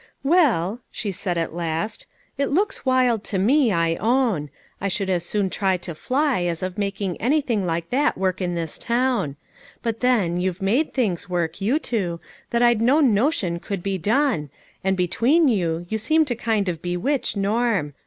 "Well," she said at last, " it looks wild to me, I own ; I should as soon try to fly f as of making anything like that work in this town ; but then, you've made things work, you two, that I'd no BEADY TO TRY. 345 notion could be done, and between you, you seem to kind of bewitch Norm.